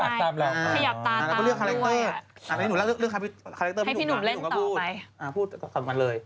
เราก็เลือกคาแรคเตอร์